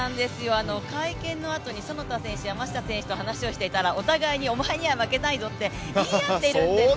会見のあとに其田選手、山下選手と話をしていたらお互いにお前には負けないぞって言い合ってるんです。